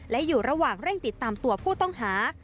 และอยู่ระหว่างเร่งติดตามตัวผู้ต้องหา